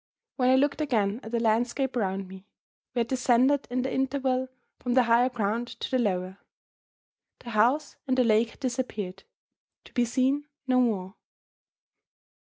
When I looked again at the landscape round me, we had descended in the interval from the higher ground to the lower. The house and the lake had disappeared, to be seen no more.